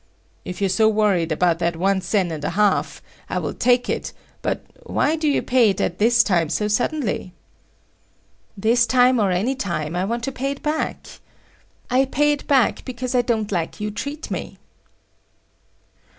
"If you're so worried about that one sen and a half, I will take it, but why do you pay it at this time so suddenly?" "This time or any time, I want to pay it back. I pay it back because I don't like you treat me."